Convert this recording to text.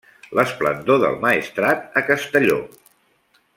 L'esplendor del Maestrat a Castelló.